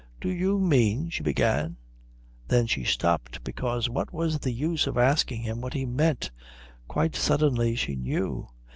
"Do you mean " she began; then she stopped, because what was the use of asking him what he meant? Quite suddenly she knew.